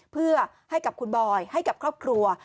เพื่อให้กับคุณบอยให้กับครอบครัว